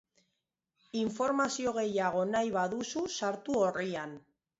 Informazio gehiago nahi baduzu, sartu orrian.